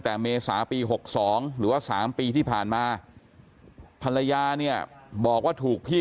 แต่เมษาปี๖๒หรือว่า๓ปีที่ผ่านมาภรรยาเนี่ยบอกว่าถูกพี่